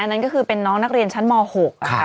อ่านั่นก็คือเป็นน้องนักเรียนชั้นท้ายมองค่ะ